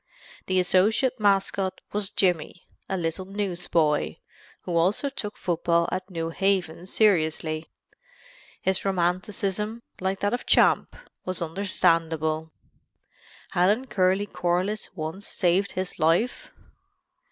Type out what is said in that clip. The associate mascot was Jimmy, a little newsboy, who also took football at New Haven seriously. His romanticism, like that of Champ, was understandable. Hadn't Curly Corliss once saved his life?